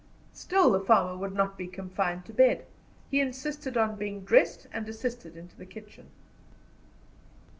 Still the farmer would not be confined to bed; he insisted on being dressed and assisted into the kitchen.